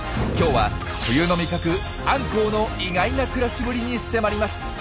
今日は冬の味覚アンコウの意外な暮らしぶりに迫ります！